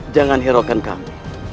jangan herokan kami